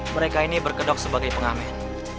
mereka ini berkedok sebagai pengamen